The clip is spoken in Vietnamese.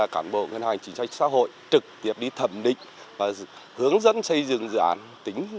cản bộ ngân hàng chính sách xã hội trực tiếp đi thẩm định và hướng dẫn xây dựng dự án